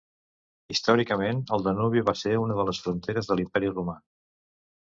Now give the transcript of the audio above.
Històricament, el Danubi va ser una de les fronteres de l'Imperi romà.